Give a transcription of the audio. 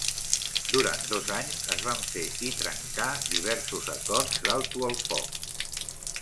Durant dos anys es van fer i trencar diversos acords d'alto el foc.